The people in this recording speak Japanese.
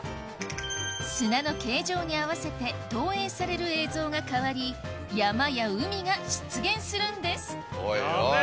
砂の形状に合わせて投影される映像が変わり山や海が出現するんですヤベェ！